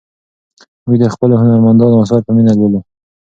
موږ د خپلو هنرمندانو اثار په مینه لولو.